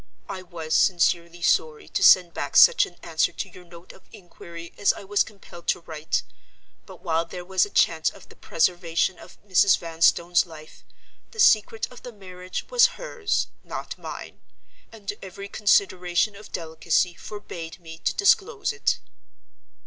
I was sincerely sorry to send back such an answer to your note of inquiry as I was compelled to write. But while there was a chance of the preservation of Mrs. Vanstone's life, the secret of the marriage was hers, not mine; and every consideration of delicacy forbade me to disclose it."